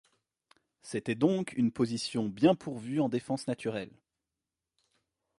C'était donc une position bien pourvue en défense naturelle.